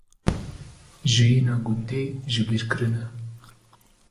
jiyîna gundî jibîrkirine